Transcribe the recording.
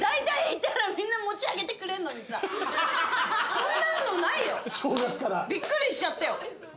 こんなのないよ！びっくりしちゃったよ。